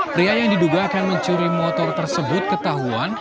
pria yang diduga akan mencuri motor tersebut ketahuan